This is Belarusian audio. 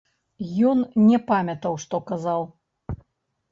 Ён не памятаў, што казаў.